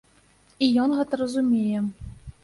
І ён гэта разумее.